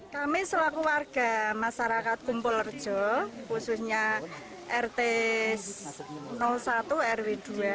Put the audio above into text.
kami selaku warga masyarakat kumpul rejo khususnya rt satu rw dua